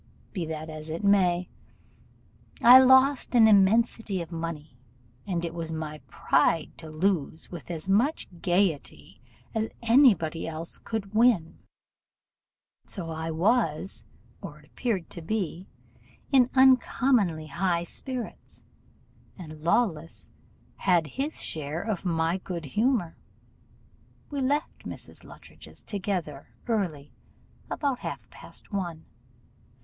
Be that as it may, I lost an immensity of money, and it was my pride to lose with as much gaiety as any body else could win; so I was, or appeared to be, in uncommonly high spirits, and Lawless had his share of my good humour. We left Mrs. Luttridge's together early, about half past one.